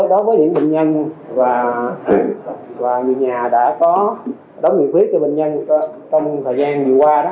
đối với những bệnh nhân và người nhà đã có đóng nhiệm viết cho bệnh nhân trong thời gian vừa qua